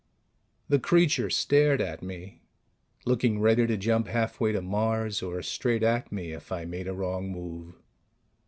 The creature stared at me, looking ready to jump halfway to Mars or straight at me if I made a wrong move.